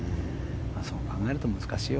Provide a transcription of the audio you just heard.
そう考えると難しいよ